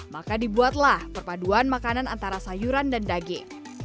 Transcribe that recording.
maka dibuatlah perpaduan makanan antara sayuran dan daging